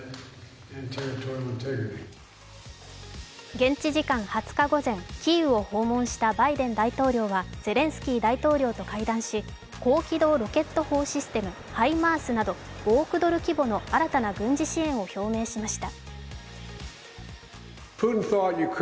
現地時間２０日午前、キーウを訪問したバイデン大統領はゼレンスキー大統領と会談し高機動ロケット砲システムハイマースなど５億ドル規模の新たな軍事支援を表明しました。